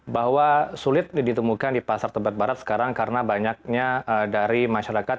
bahwa sulit ditemukan di pasar tebet barat sekarang karena banyaknya dari masyarakat